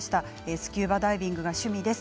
スキューバダイビングが趣味です。